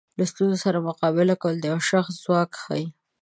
له ستونزو سره مقابله کول د یو شخص ځواک ښیي.